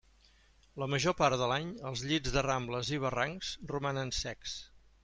La major part de l'any els llits de rambles i barrancs romanen secs.